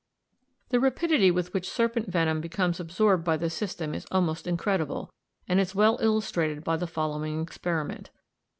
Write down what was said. The rapidity with which serpent venom becomes absorbed by the system is almost incredible, and is well illustrated by the following experiment.